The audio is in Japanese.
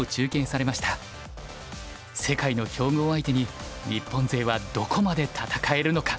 世界の強豪相手に日本勢はどこまで戦えるのか。